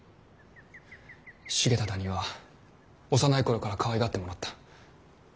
重忠には幼い頃からかわいがってもらった。